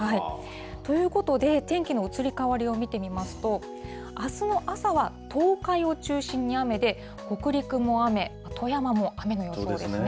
ということで、天気の移り変わりを見てみますと、あすの朝は東海を中心に雨で、北陸も雨、富山も雨の予想ですね。